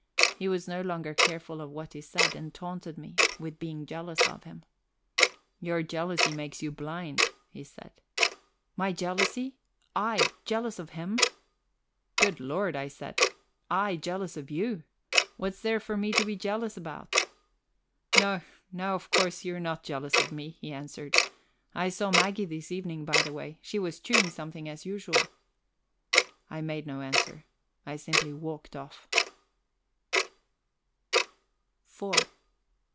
He was no longer careful of what he said, and taunted me with being jealous of him. "Your jealousy makes you blind," he said. My jealousy? I, jealous of him? "Good Lord!" I said, "I jealous of you? What's there for me to be jealous about?" "No, no, of course you're not jealous of me," he answered. "I saw Maggie this evening, by the way. She was chewing something, as usual." I made no answer; I simply walked off.